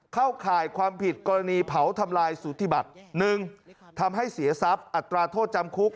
เข้าข่ายความผิดกรณีเผาทำลายสุธิบัติ๑ทำให้เสียทรัพย์อัตราโทษจำคุก